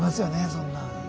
そんな。